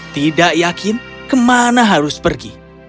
tidak yakin kemana harus pergi